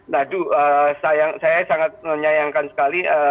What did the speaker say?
nah saya sangat menyayangkan sekali